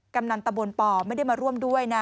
กำนันตะบนปไม่ได้มาร่วมด้วยนะ